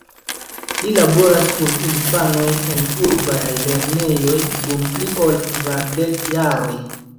Li laboras kun infanoj en urbaj lernejoj dum pli ol kvardek jaroj.